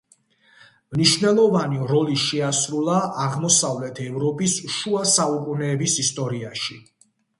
მნიშვნელოვანი როლი შეასრულა აღმოსავლეთ ევროპის შუა საუკუნეების ისტორიაში.